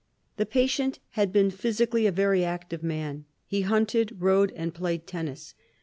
The patient had been physically a very active man. He hunted, rode and played tennis.